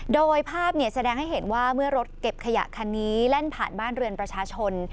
โดยภาพแสดงให้เห็นว่าเมื่อรถเก็บขยะคันนี้แล่นผ่านบ้านเรือนประชาชน